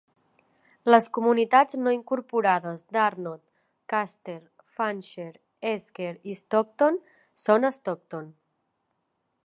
Les comunitats no incorporades d'Arnott, Custer, Fancher, Esker i Stockton són a Stockton.